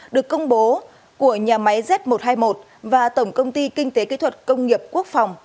được công bố của nhà máy z một trăm hai mươi một và tổng công ty kinh tế kỹ thuật công nghiệp quốc phòng